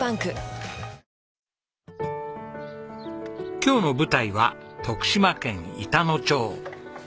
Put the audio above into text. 今日の舞台は徳島県板野町。